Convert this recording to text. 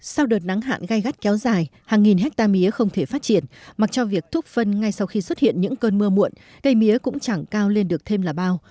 sau đợt nắng hạn gai gắt kéo dài hàng nghìn hectare mía không thể phát triển mặc cho việc thúc phân ngay sau khi xuất hiện những cơn mưa muộn cây mía cũng chẳng cao lên được thêm là bao